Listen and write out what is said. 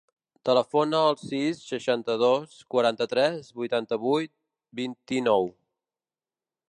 Telefona al sis, seixanta-dos, quaranta-tres, vuitanta-vuit, vint-i-nou.